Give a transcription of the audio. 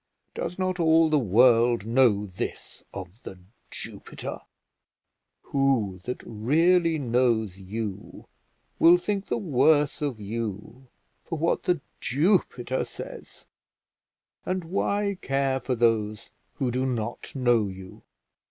Does not all the world know this of The Jupiter? Who that really knows you will think the worse of you for what The Jupiter says? And why care for those who do not know you?